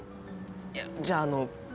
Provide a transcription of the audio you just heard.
いやじゃあの。